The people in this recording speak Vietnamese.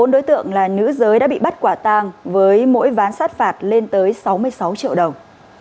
bốn đối tượng là nữ giới đã bị bắt quả tàng với mỗi ván sát phạt lên tới sáu mươi sáu triệu đồng